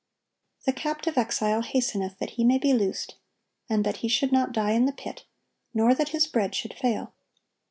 The captive exile hasteneth that he may be loosed, and that he should not die in the pit, nor that his bread should fail.